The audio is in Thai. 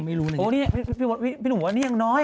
พี่หนูว่านี่ยังน้อย